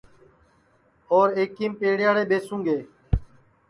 اور ایکیم پیڑیاڑے ٻیسوں گے